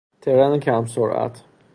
ترن کم سرعت